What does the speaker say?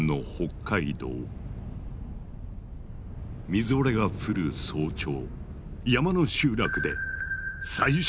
みぞれが降る早朝。